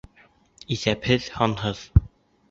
Иҫәпһеҙ-һанһыҙ...